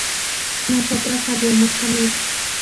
nosotras habíamos comido